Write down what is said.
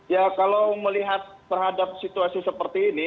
ya kalau melihat terhadap situasi seperti ini